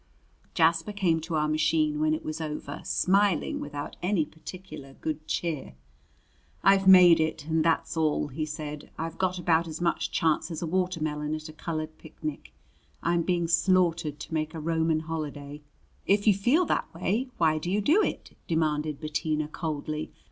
Jasper came to our machine when it was over, smiling without any particular good cheer. "I've made it and that's all," he said. "I've got about as much chance as a watermelon at a colored picnic. I'm being slaughtered to make a Roman holiday." "If you feel that way why do you do it?" demanded Bettina coldly.